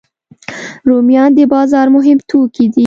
رومیان د بازار مهم توکي دي